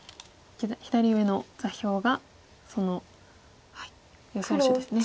左上の座標がその予想手ですね。